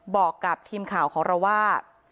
บอกกับทีมข่าวของเราว่า